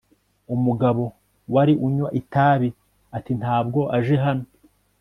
umugabo wari unywa itabi ati ntabwo aje hano